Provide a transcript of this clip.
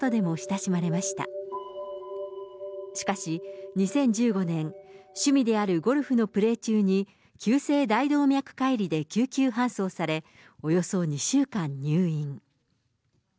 しかし２０１５年、趣味であるゴルフのプレー中に急性大動脈解離で救急搬送され、およそ２週間入院。